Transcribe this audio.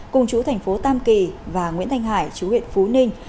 cùng chú thành phố tam kỳ và nguyễn thanh hải chú huyện phú ninh